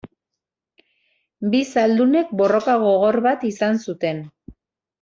Bi zaldunek borroka gogor bat izan zuten.